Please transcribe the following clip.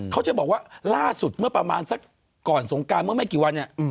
เขาจะบอกว่าล่าสุดก่อนสงกรรมไม่กี่วัล